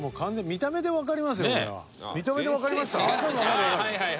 見た目でわかりますか？